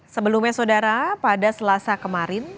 sebelumnya saudara pada selasa kemarin